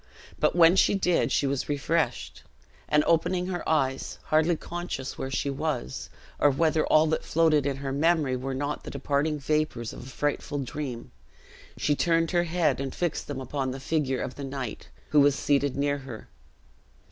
But when she did, she was refreshed; and opening her eyes hardly conscious where she was, or whether all that floated in her memory were not the departing vapors of a frightful dream she turned her head and fixed them upon the figure of the knight, who was seated near her.